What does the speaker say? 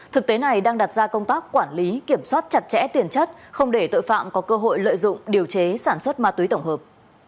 thực tế này đang đặt ra công tác quản lý kiểm soát chặt chẽ tiền chất không để tội phạm có cơ hội lợi dụng điều chế sản xuất ma túy tổng hợp